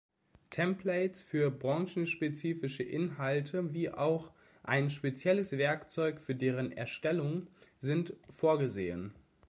Templates für branchenspezifische Inhalte wie auch ein spezielles Werkzeug für deren Erstellung sind vorgesehen.